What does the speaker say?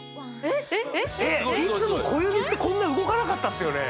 いつも小指ってこんな動かなかったっすよね？